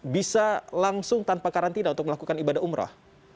bisa langsung tanpa karantina untuk melakukan ibadah umrah